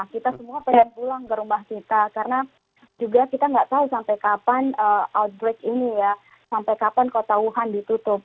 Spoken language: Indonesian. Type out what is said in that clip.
kita semua pengen pulang ke rumah kita karena juga kita nggak tahu sampai kapan outbreak ini ya sampai kapan kota wuhan ditutup